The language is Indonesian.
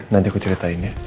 nanti aku ceritain ya